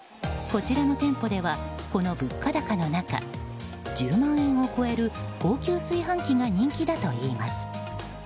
こちらの店舗ではこの物価高の中１０万円を超える高級炊飯器が人気だといいます。